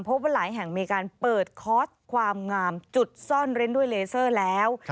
เพราะว่าหลายแห่งมีการเปิดคอร์สความงามจุดซ่อนเร้นด้วยเลเซอร์แล้ว